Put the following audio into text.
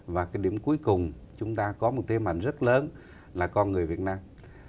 và cái điểm cuối cùng chúng ta có một thế mạnh rất lớn là con người việt nam